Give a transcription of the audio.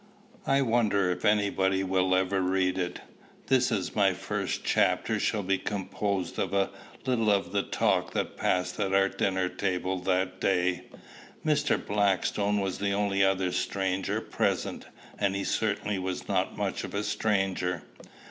I wonder if anybody will ever read it. This my first chapter shall be composed of a little of the talk that passed at our dinner table that day. Mr. Blackstone was the only other stranger present; and he certainly was not much of a stranger.